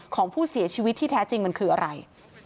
ของผู้เสียชีวิตที่แท้จริงมันคืออะไร